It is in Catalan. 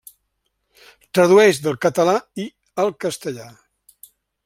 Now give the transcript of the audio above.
Tradueix del català i el castellà.